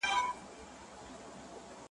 له هسکه به تر کله د رحمت کوی خواستونه ,